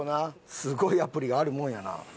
すごいアプリがあるもんやな。